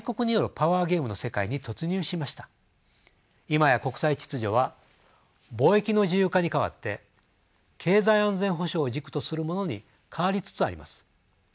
今や国際秩序は貿易の自由化に代わって経済安全保障を軸とするものに変わりつつあります。